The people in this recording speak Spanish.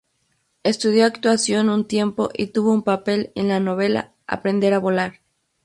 Estudió actuación un tiempo y tuvo un papel en la telenovela "Aprender a volar".